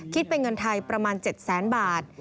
คิดเป็นเงินไทยประมาณ๗แสนบาท